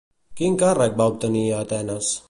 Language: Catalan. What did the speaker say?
Quin càrrec va obtenir a Atenes?